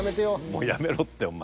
もうやめろってお前。